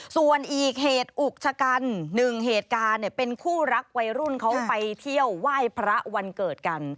ส่วนอีกเหตุอุกชะกันหนึ่งเหตุการณ์เนี่ยเป็นคู่รักวัยรุ่นเขาไปเที่ยวไหว้พระวันเกิดกัน